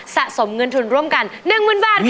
สะสมเงินทุนร่วมกัน๑๐๐๐บาทค่ะ